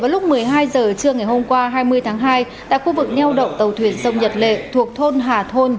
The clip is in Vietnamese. lúc một mươi hai h trưa ngày hôm qua hai mươi tháng hai tại khu vực neo đậu tàu thuyền sông nhật lệ thuộc thôn hà thôn